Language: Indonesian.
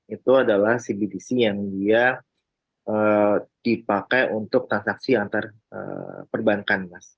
itu adalah cbdc yang dia dipakai untuk transaksi antar perbankan mas